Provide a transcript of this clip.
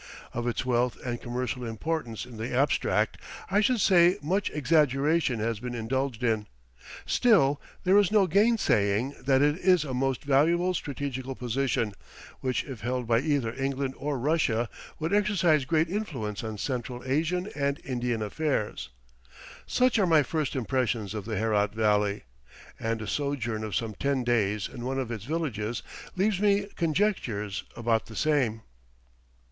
Of its wealth and commercial importance in the abstract, I should say much exaggeration has been indulged in. Still, there is no gainsaying that it is a most valuable strategical position, which, if held by either England or Russia, would exercise great influence on Central Asian and Indian affairs. Such are my first impressions of the Herat Valley, and a sojourn of some ten days in one of its villages leaves my conjectures about the same.